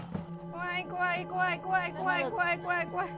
怖い怖い怖い怖い怖い怖い怖い怖い。